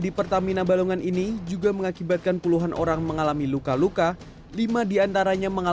pihak pertamina menegaskan akan bertanggung jawab untuk menyediakan fasilitas bagi keluarga sambil menanti proses pemulihan para pasien